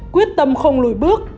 quyết tâm không lùi bước